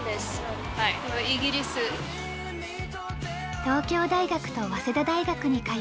東京大学と早稲田大学に通う留学生の２人。